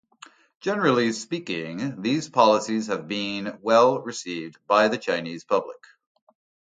Generally speaking, these policies have been well received by the Chinese public.